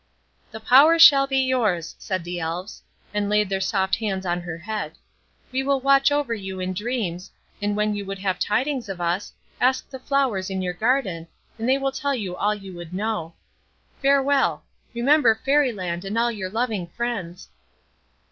"The power shall be yours," said the Elves, and laid their soft hands on her head; "we will watch over you in dreams, and when you would have tidings of us, ask the flowers in your garden, and they will tell you all you would know. Farewell. Remember Fairy Land and all your loving friends."